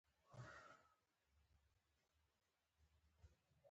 احمد په سارا پسې لاس وړي.